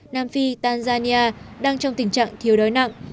nam phi tanzania đang trong tình trạng thiếu đói nặng